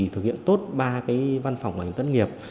thực hiện tốt ba văn phòng bảo hiểm thất nghiệp